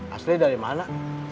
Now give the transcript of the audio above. asli dari mana